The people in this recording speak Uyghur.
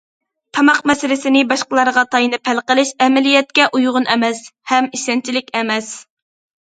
تاماق مەسىلىسىنى باشقىلارغا تايىنىپ ھەل قىلىش ئەمەلىيەتكە ئۇيغۇن ئەمەس، ھەم ئىشەنچلىك ئەمەس.